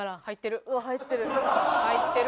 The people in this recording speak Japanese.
入ってる。